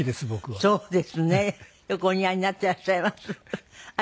よくお似合いになっていらっしゃいます。